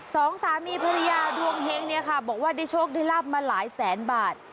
สองสามีภรรยาดวงเฮงเนี่ยค่ะบอกว่าได้โชคได้ลาบมาหลายแสนบาท